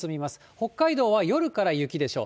北海道は夜から雪でしょう。